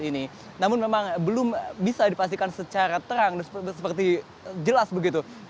namun memang belum bisa dipastikan secara terang seperti jelas begitu